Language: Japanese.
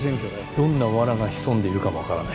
どんな罠が潜んでいるかもわからない。